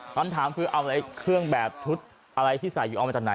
คำถามคือเอาเครื่องแบบชุดอะไรที่ใส่อยู่เอามาจากไหน